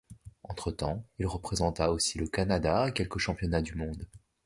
Entre-temps, il représenta aussi le Canada à quelques championnats du monde.